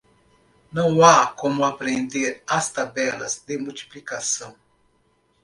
Não há como aprender as tabelas de multiplicação.